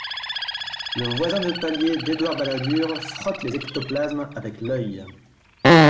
Le voisin de palier d'Edouard Balladur frotte les ectoplasmes avec l'œil.